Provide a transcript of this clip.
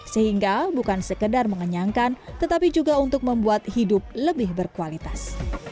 sehingga bukan sekedar mengenyangkan tetapi juga untuk membuat hidup lebih berkualitas